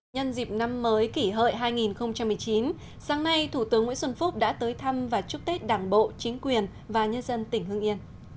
nhân dịp năm mới kỷ hợi hai nghìn một mươi chín sáng nay thủ tướng nguyễn xuân phúc đã tới thăm và chúc tết đảng bộ chính quyền và nhân dân tỉnh hương yên